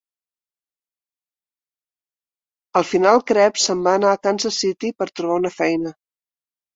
Al final, Krebs s'en va a Kansas City per trobar una feina.